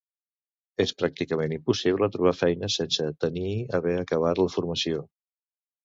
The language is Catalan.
És pràcticament impossible trobar feina sense tenir haver acabat la formació.